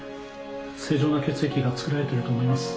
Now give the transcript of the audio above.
正常な血液が作られてると思います。